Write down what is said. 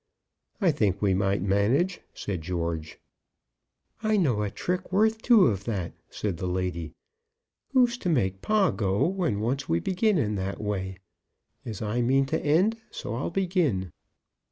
"I think we might manage," said George. "I know a trick worth two of that," said the lady. "Who's to make pa go when once we begin in that way? As I mean to end, so I'll begin.